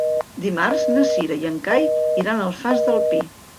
Dimarts na Cira i en Cai iran a l'Alfàs del Pi.